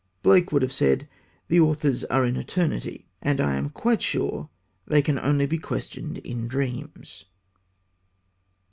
Blake would have said, "The authors are in eternity"; and I am quite sure they can only be questioned in dreams.